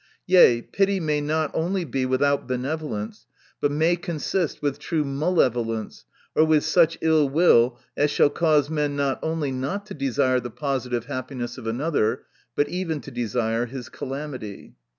Yea, pity may not only be without benevolence, but may consist with true malevolence, or with such ill will as shall cause men not only not to desire the positive happiness of another, but even to desire his calamity.